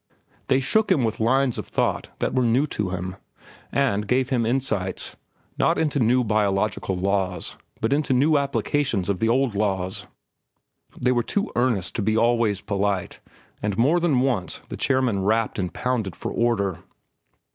They shook him with lines of thought that were new to him; and gave him insights, not into new biological laws, but into new applications of the old laws. They were too earnest to be always polite, and more than once the chairman rapped and pounded for order.